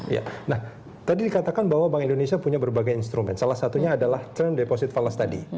iya nah tadi dikatakan bahwa bank indonesia punya berbagai instrumen salah satunya adalah term deposit falas tadi